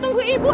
tunggu ibu el